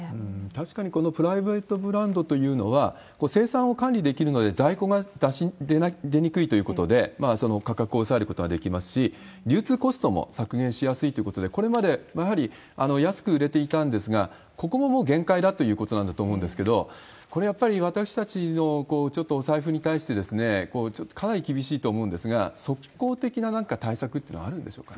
確かにこのプライベートブランドというのは、生産を管理できるので、在庫が出にくいということで、その価格を抑えることができますし、流通コストも削減しやすいということで、これまでやはり安く売れていたんですが、ここももう限界だということなんだと思うんですけれども、これ、やっぱり、私たちのちょっとお財布に対して、かなり厳しいと思うんですが、即効的な、何か対策っていうのはあるんでしょうか？